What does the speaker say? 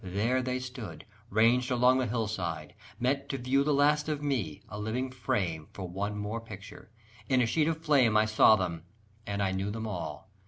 There they stood, ranged along the hill sides, met To view the last of me, a living frame For one more picture! in a sheet of flame I saw them and I knew them all.